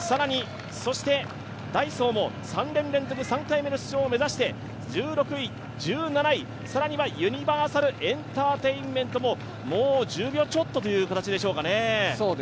そしてダイソーも３年連続３回目の出場を目指して１６位、１７位、更にはユニバーサルエンターテインメントももう１０秒ちょっとという形でしょうかね。